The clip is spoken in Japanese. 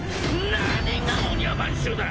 何が御庭番衆だ！